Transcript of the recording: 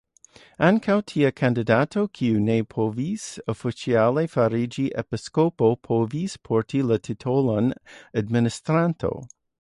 Ankaŭ tia kandidato, kiu ne povis oficiale fariĝi episkopo, povis porti la titolon "administranto".